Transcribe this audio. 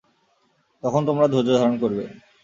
তখন তোমরা ধৈর্য ধারণ করবে।